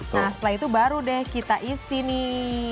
nah setelah itu baru deh kita isi nih